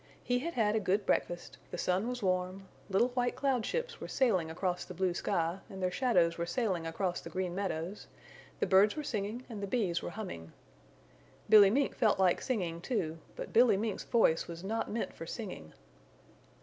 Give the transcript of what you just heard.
He had had a good breakfast, the sun was warm, little white cloud ships were sailing across the blue sky and their shadows were sailing across the Green Meadows, the birds were singing and the bees were humming. Billy Mink felt like singing too, but Billy Mink's voice was not meant for singing.